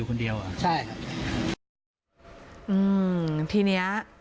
อืมที่นี้